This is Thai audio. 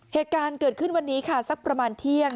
เหตุการณ์เกิดขึ้นวันนี้ค่ะสักประมาณเที่ยง